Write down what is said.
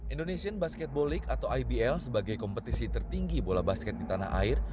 indonesian basketball league atau ibl sebagai kompetisi tertinggi bola basket di tanah air